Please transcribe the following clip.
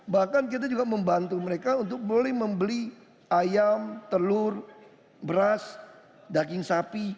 bahkan kita juga membantu mereka untuk mulai membeli ayam telur beras daging sapi